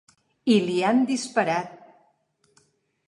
I li han disparat.